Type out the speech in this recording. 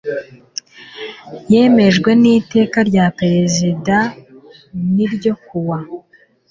yemejwe n iteka rya perezida n ryo kuwa